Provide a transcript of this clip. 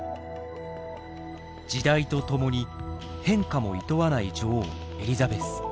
時代とともに変化も厭わない女王エリザベス。